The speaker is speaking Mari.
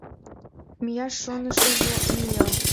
Мияш шонышыжо мия.